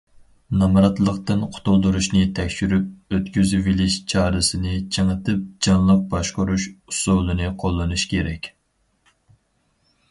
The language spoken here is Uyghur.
نامراتلىقتىن قۇتۇلدۇرۇشنى تەكشۈرۈپ ئۆتكۈزۈۋېلىش چارىسىنى چىڭىتىپ، جانلىق باشقۇرۇش ئۇسۇلىنى قوللىنىش كېرەك.